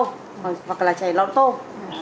hoặc là trà nói tôm